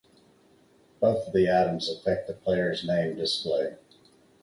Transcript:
Both of the items affect the player's name display.